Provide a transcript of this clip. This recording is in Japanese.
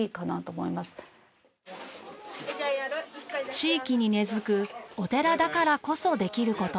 地域に根付くお寺だからこそできる事。